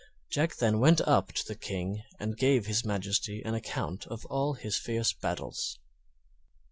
Jack then went up to the King and gave his Majesty an account of all his fierce battles.